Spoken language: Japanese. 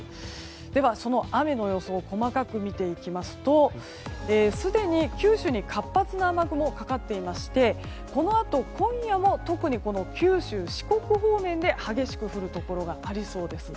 では、その雨の予想細かく見ていきますとすでに九州に活発な雨雲がかかっていましてこのあと今夜も特に九州・四国方面で激しく降るところがありそうです。